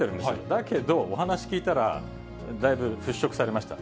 だけど、お話聞いたら、だいぶ払拭されました。